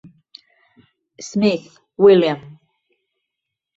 Smith, William.